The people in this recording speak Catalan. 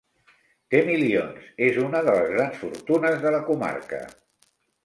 Té milions: és una de les grans fortunes de la comarca.